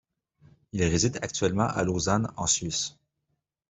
Il réside actuellement à Lausanne, en Suisse.